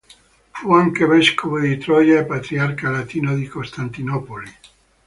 Fu anche vescovo di Troia e Patriarca latino di Costantinopoli.